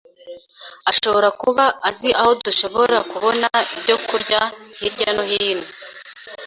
ashobora kuba azi aho dushobora kubona ibyo kurya hirya no hino.